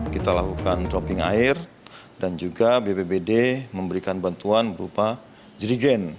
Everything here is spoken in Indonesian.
kita lakukan dropping air dan juga bpbd memberikan bantuan berupa jirigen